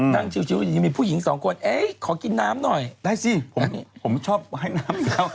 นั่งชิวยังมีผู้หญิงสองคนเอ๊ะขอกินน้ำหน่อยได้สิผมชอบให้น้ำ